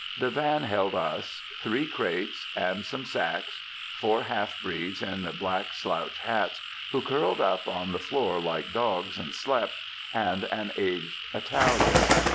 The van held us, three crates, and some sacks, four half breeds in black slouch hats, who curled up on the floor like dogs and slept, and an aged Italian.